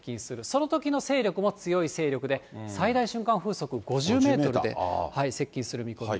そのときの勢力も強い勢力で、最大瞬間風速５０メートルで接近する見込み。